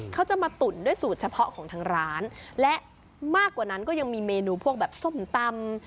เขาจะมาตุ๋นด้วยสูตรเฉพาะของทางร้านและมากกว่านั้นก็ยังมีเมนูพวกแบบส้มตำ